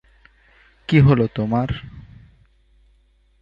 কী হলো তোমার?